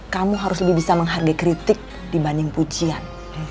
kamu harus lebih bisa menghargai kritik dibanding pujian